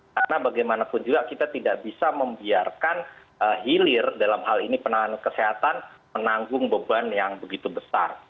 karena bagaimanapun juga kita tidak bisa membiarkan hilir dalam hal ini penanganan kesehatan menanggung beban yang begitu besar